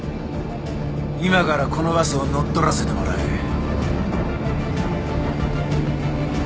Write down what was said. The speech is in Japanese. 今からこのバスを乗っ取らせてもらう。